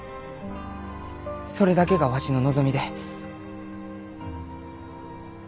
それだけがわしの望みで。